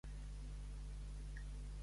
Fer obres santes.